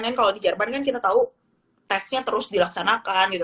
kan kalau di jerman kan kita tahu tesnya terus dilaksanakan gitu